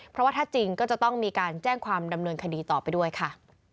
เพราะว่าถ้าจริงก็จะต้องมีการแจ้งความดำเนินคดีต่อไปด้วยค่ะ